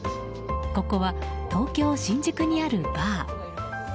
ここは東京・新宿にあるバー。